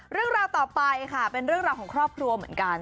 เรื่องราวต่อไปค่ะเป็นเรื่องราวของครอบครัวเหมือนกัน